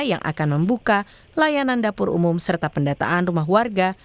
yang akan membuka layanan dapur umum serta pendataan rumah warga